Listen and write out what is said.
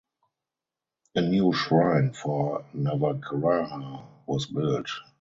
A new shrine for Navagraha was built.